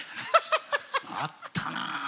あったな。